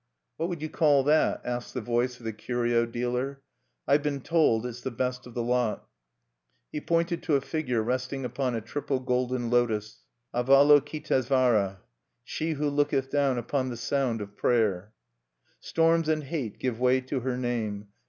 "What would you call that?" asked the voice of the curio dealer. "I've been told it's the best of the lot." He pointed to a figure resting upon a triple golden lotos, Avalokitesvara: she "_who looketh down above the sound of prayer."... Storms and hate give way to her name.